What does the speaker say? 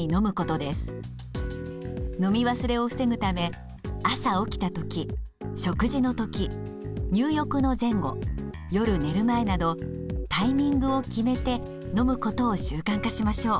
飲み忘れを防ぐため朝起きた時食事の時入浴の前後夜寝る前などタイミングを決めて飲むことを習慣化しましょう。